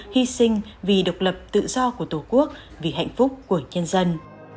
hy sinh vì độc lập tự do của tổ quốc vì hạnh phúc của nhân dân